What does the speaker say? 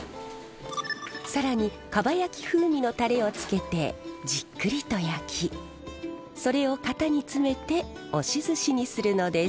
更にかば焼き風味のタレをつけてじっくりと焼きそれを型に詰めて押しずしにするのです。